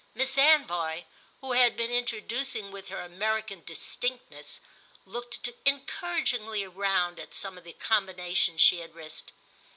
Miss Anvoy, who had been introducing with her American distinctness, looked encouragingly round at some of the combinations she had risked.